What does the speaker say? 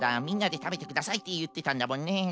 「みんなでたべてください」っていってたんだもんね。